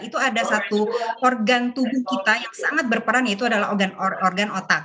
itu ada satu organ tubuh kita yang sangat berperan yaitu adalah organ otak